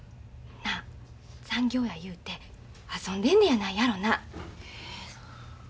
なあ残業やいうて遊んでんのやないやろな。